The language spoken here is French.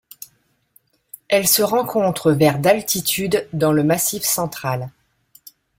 Elle se rencontre vers d'altitude dans le massif Central.